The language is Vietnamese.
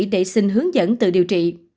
để xin hướng dẫn từ điều trị